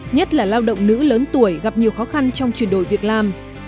nhất là lao động nữ lớn tuổi gặp nhiều khó khăn trong chuyển đổi việc làm